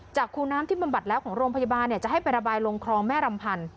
คูน้ำที่บำบัดแล้วของโรงพยาบาลจะให้ไประบายลงคลองแม่รำพันธ์